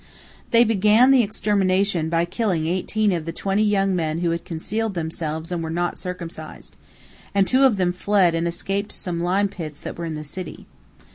They began the extermination by killing eighteen of the twenty young men who had concealed themselves and were not circumcised, and two of them fled and escaped to some lime pits that were in the city.